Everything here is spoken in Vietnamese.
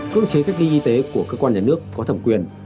cưỡng chế cách ly y tế của cơ quan nhà nước có thẩm quyền